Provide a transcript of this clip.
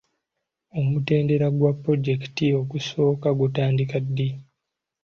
Omutendera gwa pulojekiti ogusooka gutandika ddi?